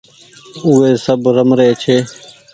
او وي سب رمري ڇي